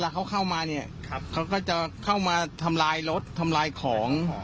เขาเข้ามาเนี่ยเขาก็จะเข้ามาทำลายรถทำลายของ